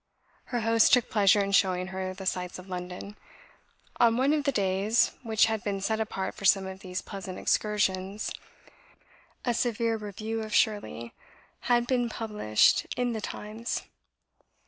Her hosts took pleasure in showing her the sights of London. On one of the days which had been set apart for some of these pleasant excursions, a severe review of "Shirley" was published in the Times.